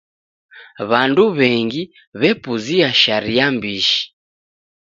W'andu w'engi w'epuzia sharia mbishi.